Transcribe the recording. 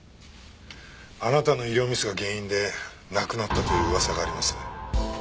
あなたの医療ミスが原因で亡くなったという噂があります。